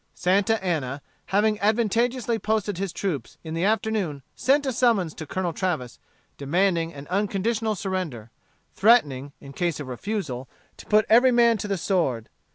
Santa Anna, having advantageously posted his troops, in the afternoon sent a summons to Colonel Travis, demanding an unconditional surrender, threatening, in case of refusal, to put every man to the sword.